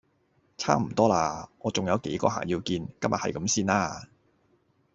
差唔多喇，我重有幾個客要見。今日係咁先啦